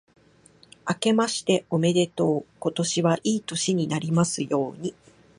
あけましておめでとう。今年はいい年になりますように。